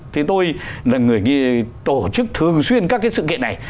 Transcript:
thế tôi là người tổ chức thường xuyên các cái sự kiện này